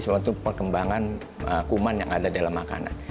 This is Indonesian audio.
suatu perkembangan kuman yang ada dalam makanan